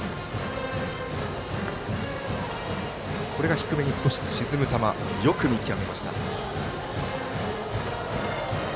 低めに少し沈む球よく見極めました。